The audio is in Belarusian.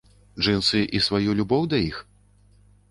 Джынсы і сваю любоў да іх?!